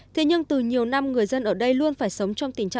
thế nhưng từ nhiều năm người dân ở đây luôn phải sống trong tình trạng